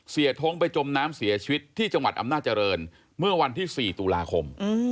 ท้งไปจมน้ำเสียชีวิตที่จังหวัดอำนาจริงเมื่อวันที่๔ตุลาคม